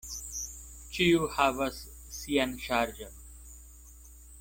Ĉiu havas sian ŝarĝon.